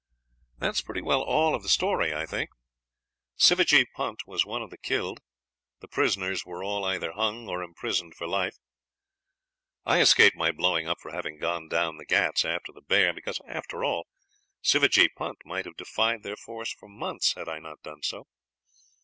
"That is pretty well all of the story, I think. Sivajee Punt was one of the killed. The prisoners were all either hung or imprisoned for life. I escaped my blowing up for having gone down the Ghauts after the bear, because, after all, Sivajee Punt might have defied their force for months had I not done so.